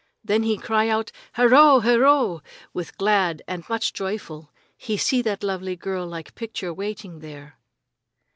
Then he cry out, 'Herro!' herro!' with glad and much joyful. He see that lovely girl like picture waiting there!"